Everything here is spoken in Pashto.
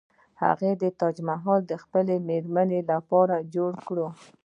هغه تاج محل د خپلې میرمنې لپاره جوړ کړ.